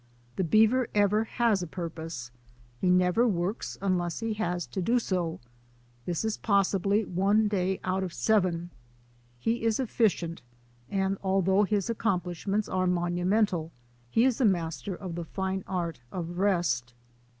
The beaver ever has a purpose; he never works unless he has to do so, this is possibly one day out of seven; he is efficient; and, although his accomplishments are monumental, he is master of the fine art of rest.